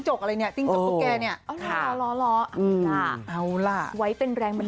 เชอรี่ก็ถูกลอตเตอรี่นะ